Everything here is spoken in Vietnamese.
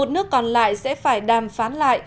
một mươi một nước còn lại sẽ phải đàm phán lại